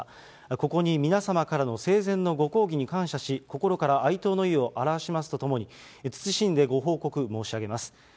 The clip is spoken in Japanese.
ここに皆様からの生前のご厚誼に感謝し、心から哀悼の意を表しますとともに、謹んでご報告申し上げます。